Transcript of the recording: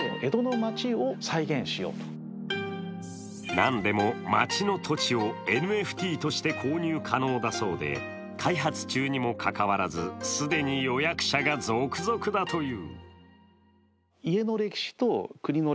何でも街の土地をＮＦＴとして購入可能で開発中にもかかわらず既に予約者が続々だという。